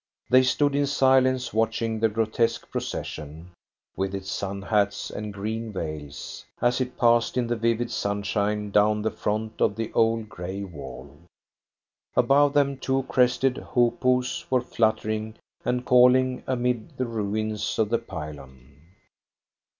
They stood in silence watching the grotesque procession, with its sun hats and green veils, as it passed in the vivid sunshine down the front of the old grey wall. Above them two crested hoopoes were fluttering and calling amid the ruins of the pylon.